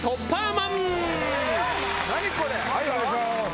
お願いします！